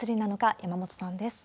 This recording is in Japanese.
山本さんです。